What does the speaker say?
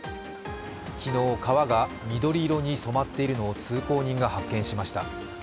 昨日、川が緑色に染まっているのを通行人が発見しました。